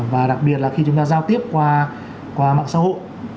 và đặc biệt là khi chúng ta giao tiếp qua mạng xã hội